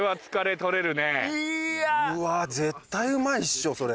うわ絶対うまいっしょそれ。